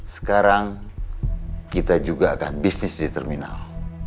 sekarang kita juga akan bisnis di terminal